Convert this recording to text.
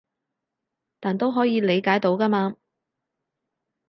但都可以理解到㗎嘛